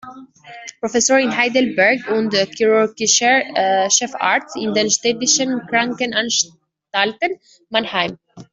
Professor in Heidelberg und chirurgischer Chefarzt in den Städtischen Krankenanstalten Mannheim.